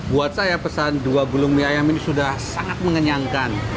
buat saya pesan dua gulung mie ayam ini sudah sangat mengenyangkan